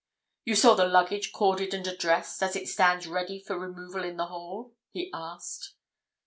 'You saw the luggage corded and addressed, as it stands ready for removal in the hall?' he asked.